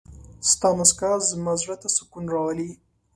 ستا مسکا زما زړه ته سکون راولي.